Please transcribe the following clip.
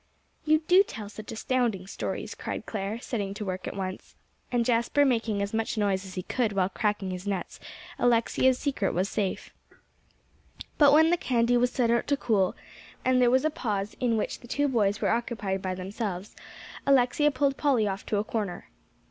"You do tell such astounding stories," cried Clare, setting to work at once. And Jasper making as much noise as he could while cracking his nuts, Alexia's secret was safe. But when the candy was set out to cool, and there was a pause in which the two boys were occupied by themselves, Alexia pulled Polly off to a corner.